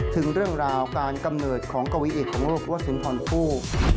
ถึงเรื่องราวการกำเนิดของกวีอิของโลกหรือว่าสุนทรผู้